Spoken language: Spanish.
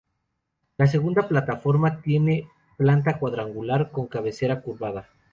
La segunda plataforma tiene planta cuadrangular, con cabecera curvada.